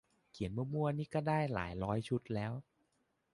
เขียนมั่วมั่วนี่ก็ได้หลายร้อยชุดแล้ว